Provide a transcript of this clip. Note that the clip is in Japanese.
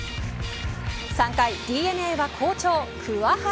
３回ＤｅＮＡは好調、桑原。